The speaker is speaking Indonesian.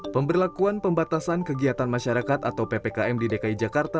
pemberlakuan pembatasan kegiatan masyarakat atau ppkm di dki jakarta